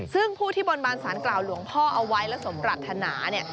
ซึ่งผู้ที่บนบานสารกล่าวหลวงพ่อเอาไว้และสมปรัฐนาเนี่ย